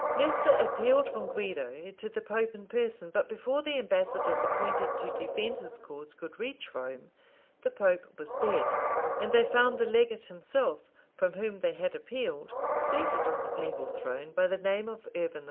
Leicester appealed from Guido to the pope in person; but before the ambassadors appointed to defend his cause could reach Rome, the pope was dead; and they found the legate himself, from whom they had appealed, seated on the papal throne, by the name of Urban IV.